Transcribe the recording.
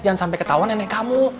jangan sampai ketahuan nenek kamu